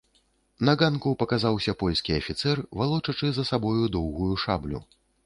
На ганку паказаўся польскі афіцэр, валочачы за сабою доўгую шаблю.